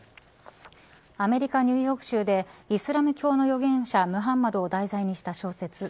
アメリカ、ニューヨーク州でイスラム教の預言者ムハンマドを題材にした小説